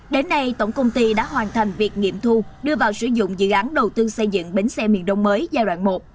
đến nay tổng công ty đã hoàn thành việc nghiệm thu đưa vào sử dụng dự án đầu tư xây dựng bến xe miền đông mới giai đoạn một